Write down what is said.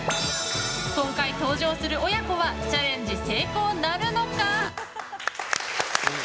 今回、登場する親子はチャレンジ成功なるのか？